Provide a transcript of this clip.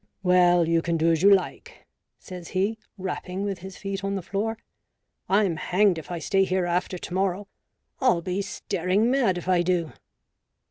" Well, you can do as you like," says he, rapping with his feet on the floor ;'* I'm hanged 132 A BOOK OF BARGAINS. if I stay here after to morrow — I'll be staring mad if I do